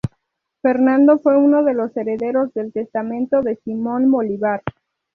Fernando fue uno de los herederos del Testamento de Simón Bolívar.